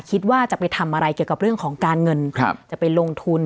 คิดว่าจะไปทำอะไรเกี่ยวกับเรื่องของการเงินจะไปลงทุน